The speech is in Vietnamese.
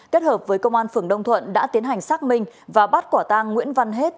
kết hợp với công an phường đông thuận đã tiến hành xác minh và bắt quả tang nguyễn văn hết